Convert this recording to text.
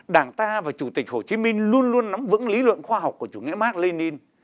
đảng ta và chủ tịch hồ chí minh luôn luôn nắm vững lý luận khoa học của chủ nghĩa mark lenin